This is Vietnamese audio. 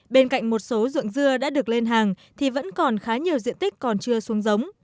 bên cạnh một số ruộng dưa đã được lên hàng thì vẫn còn khá nhiều diện tích còn chưa xuống giống